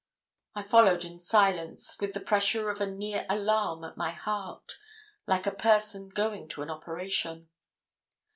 I followed in silence, with the pressure of a near alarm at my heart, like a person going to an operation.